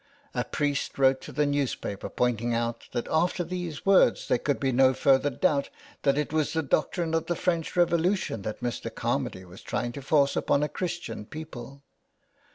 A priest wrote to the newspapers pointing out that after these words there could be no further doubt that it was the doctrine of the French Revolution that Mr. Carmady was trying to force upon a Christian people.